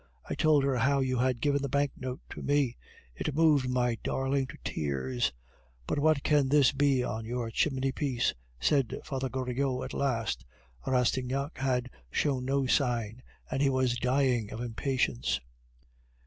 I told her how you had given the banknote to me; it moved my darling to tears. But what can this be on your chimney piece?" said Father Goriot at last. Rastignac had showed no sign, and he was dying of impatience.